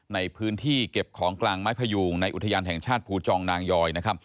ในพื้นที่เก็บของกลางไม้พยูงในอุทยานแห่งชาติภูจองนางยอยนะครับ